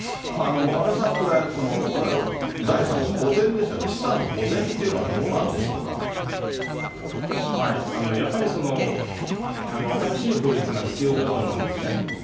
阿部さん、これ、いわゆる財産の保全ですよね、資産の保全というのはどうなんでしやっぱり新しい法律が必要だと思うんですね。